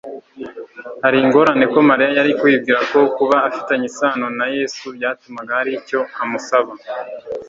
Hari ingorane ko Mariya yari kwibwira ko kuba afitanye isano na Yesu byatuma hari icyo amusaba